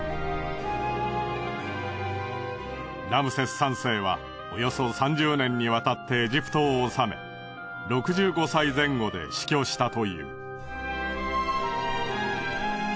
ラムセス３世はおよそ３０年にわたってエジプトを治め６５歳前後で死去したという。